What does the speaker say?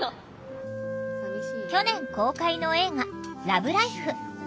去年公開の映画「ＬＯＶＥＬＩＦＥ」